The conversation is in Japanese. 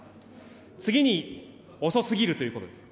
次に、遅すぎるということです。